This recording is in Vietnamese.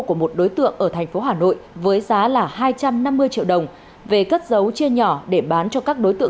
của một đối tượng ở thành phố hà nội với giá là hai trăm năm mươi triệu đồng về cất dấu chia nhỏ để bán cho các đối tượng